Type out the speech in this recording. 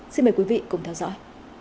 xin mời quý vị cùng theo dõi